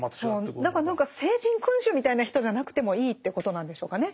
何か聖人君子みたいな人じゃなくてもいいっていうことなんでしょうかね。